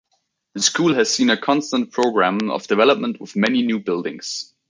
The School has seen a constant programme of development with many new buildings.